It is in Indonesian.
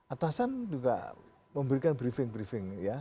atasan juga memberikan briefing briefing ya